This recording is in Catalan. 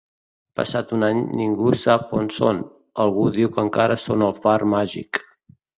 Passat un any ningú sap on són, algú diu que encara són al far màgic.